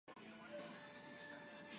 其表妹彭佳慧为台湾著名女歌手。